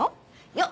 よっ！